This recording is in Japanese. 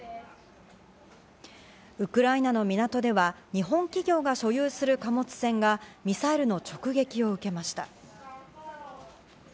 ウクライナの港では、日本企業が所有する貨物船がミサイルの直撃を受けました。